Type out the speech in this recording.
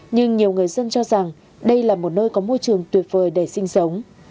nhưng nhiều người dân cho rằng đây là một nơi có môi trường tuyệt vời để sinh sống